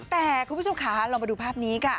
แต่คุณผู้ชมค่ะเรามาดูภาพนี้ค่ะ